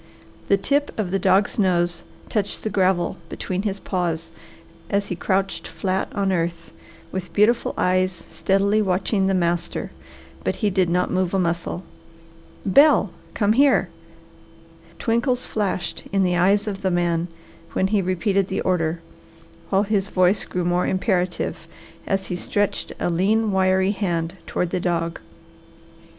The tip of the dog's nose touched the gravel between his paws as he crouched flat on earth, with beautiful eyes steadily watching the master, but he did not move a muscle. "Bel, come here!" Twinkles flashed in the eyes of the man when he repeated the order, while his voice grew more imperative as he stretched a lean, wiry hand toward the dog.